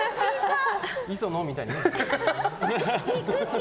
磯野みたいに。